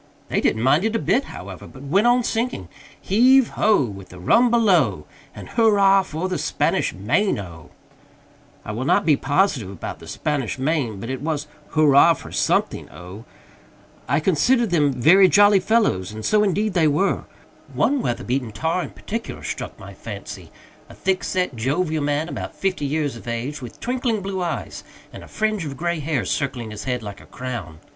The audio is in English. They didn't mind it a bit, however, but went on singing "Heave ho! With the rum below, And hurrah for the Spanish Main O!" I will not be positive about "the Spanish Main," but it was hurrah for something O. I considered them very jolly fellows, and so indeed they were. One weather beaten tar in particular struck my fancy a thick set, jovial man, about fifty years of age, with twinkling blue eyes and a fringe of gray hair circling his head like a crown.